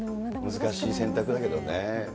難しい選択だけれどもね。